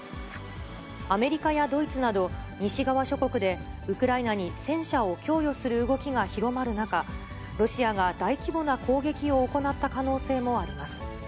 アメリカやドイツなど、西側諸国でウクライナに戦車を供与する動きが広まる中、ロシアが大規模な攻撃を行った可能性もあります。